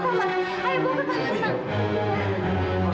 mulara sepahari seperti ini sebentar ya